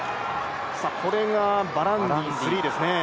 これがバランディン３ですね